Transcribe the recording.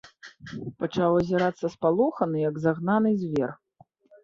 Пачаў азірацца спалохана, як загнаны звер.